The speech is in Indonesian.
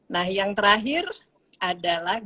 nah yang terakhir adalah